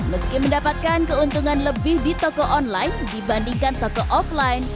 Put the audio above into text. meski mendapatkan keuntungan lebih di toko online dibandingkan toko offline